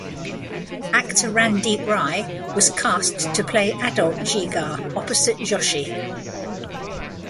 Actor Randeep Rai was cast to play adult Jigar opposite Joshi.